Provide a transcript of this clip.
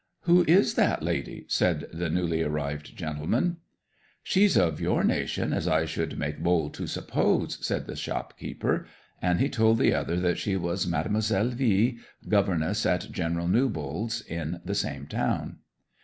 '"Who is that lady?" said the newly arrived gentleman. '"She's of your nation, as I should make bold to suppose," said the shopkeeper. And he told the other that she was Mademoiselle V , governess at General Newbold's, in the same town.